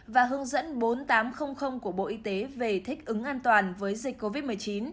và hướng dẫn bốn nghìn tám trăm linh của bộ y tế về thích ứng an toàn với dịch covid một mươi chín